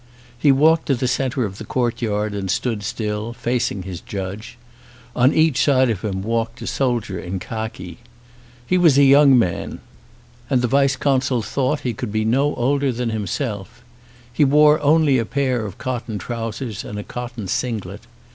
He walked to the centre of the courtyard and stood still, fac ing his judge. On each side of him walked a soldier in khaki. He was a young man and the vice consul thought that he could be no older than 226 THE VICE CONSUL himself. He wore only a pair of cotton trousers and a cotton singlet.